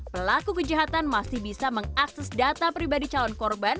pelaku kejahatan masih bisa mengakses data pribadi calon korban